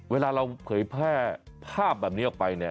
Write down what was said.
เวลาเราเผยแพร่ภาพแบบนี้ออกไปเนี่ย